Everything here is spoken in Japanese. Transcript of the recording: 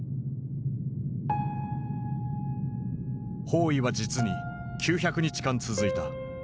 包囲は実に９００日間続いた。